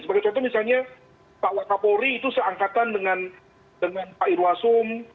sebagai contoh misalnya pak wakapolri itu seangkatan dengan pak irwasum